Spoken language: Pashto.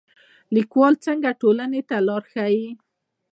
لیکوال څنګه ټولنې ته لار ښيي؟